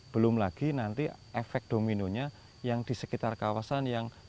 belum lagi nanti efek dominonya yang di sekitar kawasan yang